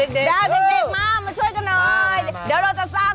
อ้านายสวยกว่ากัน